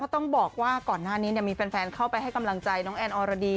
ตอนหน้านี้ยังมีแฟนเข้าไปให้กำลังใจน้องแอนด์อรดี